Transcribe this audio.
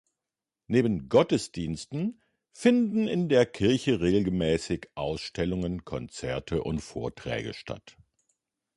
Neben Gottesdiensten finden in der Kirche regelmäßig Ausstellungen, Konzerte und Vorträge statt.